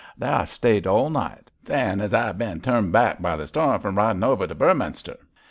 There I stayed all night, sayin' as I'd bin turned back by the storm from riding over to Beorminster.